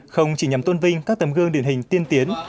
không chỉ nhằm tôn vinh các tấm gương điển hình tiên tiến